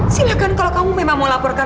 silahkan kalau kamu memang mau laporkan